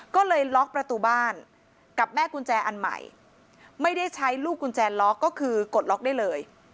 ก็เลยล็อกประตูบ้านกับแม่กุญแจอันใหม่ไม่ได้ใช้ลูกกุญแจล็อกก็คือกดล็อกได้เลย